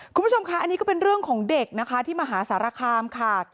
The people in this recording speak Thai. คุณผู้ชมค่ะอันนี้ก็เป็นเรื่องของเด็กนะคะที่มหาสารคามค่ะ